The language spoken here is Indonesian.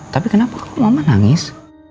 tapi kenapa kok mama nangis